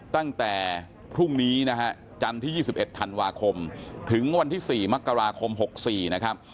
ตั้งแต่พรุ่งนี้นะฮะจันทร์ที่๒๑ธันวาคมถึงวันที่๔มกราคม๖๔นะครับ